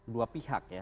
dua pihak ya